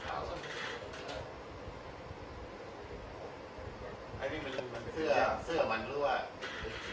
หลังจากนี้ก็ได้เห็นว่าหลังจากนี้ก็ได้เห็นว่าหลังจากนี้ก็ได้เห็นว่า